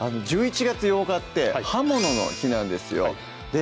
１１月８日って刃物の日なんですよで